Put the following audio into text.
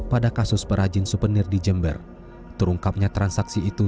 pada kasus perhajin supenir di jember terungkapnya transaksi itu